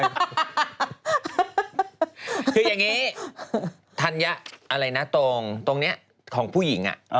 คืออย่างนี้ธัญญะอะไรนะตรงตรงนี้ของผู้หญิง